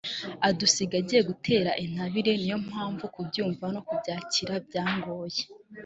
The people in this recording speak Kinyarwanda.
adusiga agiye gutera intabire niyo mpamvu kubyumva no kubyakira byangoye”